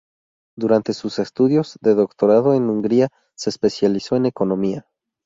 Durante sus estudios de doctorado en Hungría se especializó en economía.